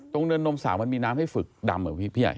ตรงเนื้อนมสาวมันมีน้ำให้ฝึกดำเหรอพี่ใหญ่